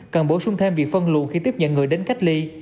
cần bổ sung thêm việc phân luồn khi tiếp nhận người đến cách ly